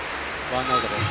ワンアウトです。